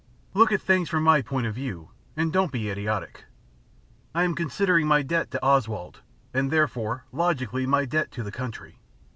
Look at things from my point of view, and don't be idiotic. I am considering my debt to Oswald, and therefore, logically, my debt to the country.